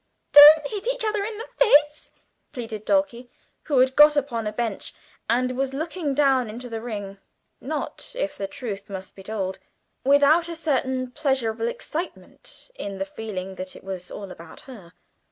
"Don't hit each other in the face," pleaded Dulcie, who had got upon a bench and was looking down into the ring not, if the truth must be told, without a certain pleasurable excitement in the feeling that it was all about her.